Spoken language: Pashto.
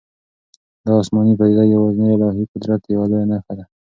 دا آسماني پدیده یوازې د الهي قدرت یوه لویه نښه ده.